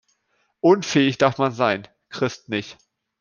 Unfähig darf man sein, Christ nicht.